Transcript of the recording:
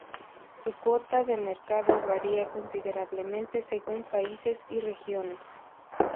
Su cuota de mercado varía considerablemente según países y regiones.